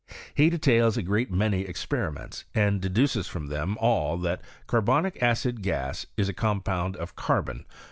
He details a {T^Nit many experiments, and deduces from them all^ that cwbonic acid gas ts a compound of Carbon